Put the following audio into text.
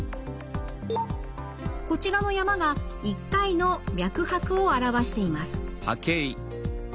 こちらの山が１回の脈拍を表しています。